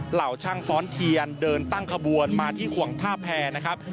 เหล่าช่างฟ้อนเทียนเดินตั้งขบวนมาที่ขวงท่าแพรนะครับ